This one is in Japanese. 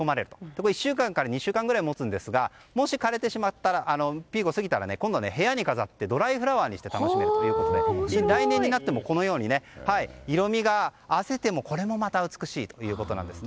これ、１週間から２週間くらい持つんですがもしピークを過ぎたら今度は部屋に飾ってドライフラワーにして楽しめるということで来年になっても、色味があせてもこれもまた美しいということです。